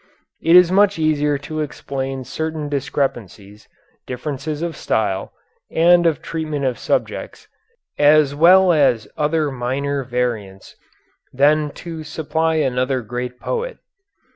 It is much easier to explain certain discrepancies, differences of style, and of treatment of subjects, as well as other minor variants, than to supply another great poet.